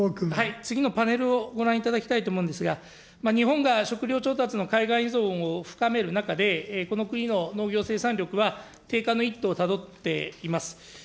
次のパネルをご覧いただきたいと思うんですが、日本が食料調達の海外依存を深める中で、この国の農業生産力は低下の一途をたどっています。